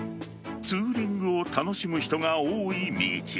ツーリングを楽しむ人が多い道。